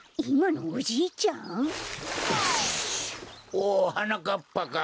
おうはなかっぱか。